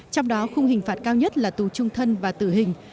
trong đó khung hình phạt cao nhất là tù trung thân và tử hình